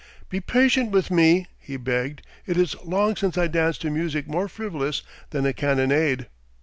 "Be patient with me," he begged. "It is long since I danced to music more frivolous than a cannonade."